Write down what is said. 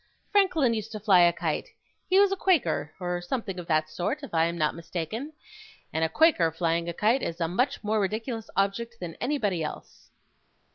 Franklin used to fly a kite. He was a Quaker, or something of that sort, if I am not mistaken. And a Quaker flying a kite is a much more ridiculous object than anybody else.